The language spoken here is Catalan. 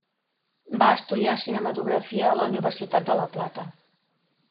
Va estudiar cinematografia a la Universitat de la Plata.